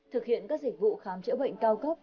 thực hiện các dịch vụ khám chữa bệnh cao cấp